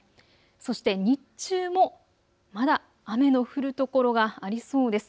そして日中もまだ雨の降る所がありそうです。